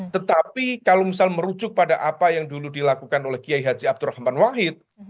tetapi kalau misal merujuk pada apa yang dulu dilakukan oleh kiai haji abdurrahman wahid